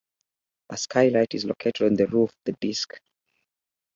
A skylight is located on the roof of the disk.